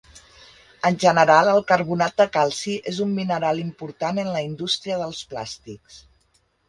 En general, el carbonat de calci és un mineral important en la indústria dels plàstics.